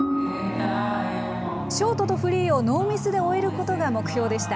ショートとフリーをノーミスで終えることが目標でした。